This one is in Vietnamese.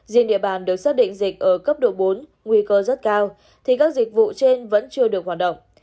riêng địa bàn được xác định dịch ở cấp độ bốn nguy cơ rất cao thì các dịch vụ trên vẫn chưa được hoạt động